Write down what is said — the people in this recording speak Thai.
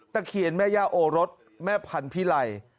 เขียนแม่ย่าโอรสแม่พันธิไล